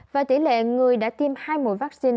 và tỷ lệ người đã tiêm hai mũi vaccine